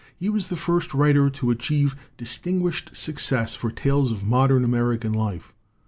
He was the first writer to achieve distinguished success for tales of modern American life.